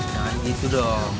jangan gitu dong